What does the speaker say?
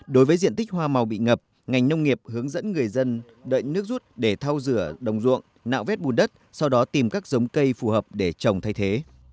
đối với diện tích hoa màu bị ngập ngành nông nghiệp hướng dẫn người dân đợi nước rút để thao rửa đồng ruộng nạo vét bùn đất sau đó tìm các giống cây phù hợp để trồng thay thế